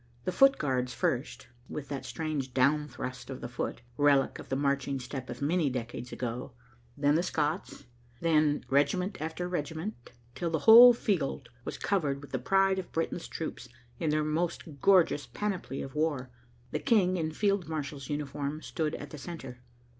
The Foot Guards first, with that strange downthrust of the foot, relic of the marching step of many decades ago, then the Scots, and then regiment after regiment, till the whole field was covered with the pride of Britain's troops in their most gorgeous panoply of war. The King, in field marshal's uniform, stood at the centre.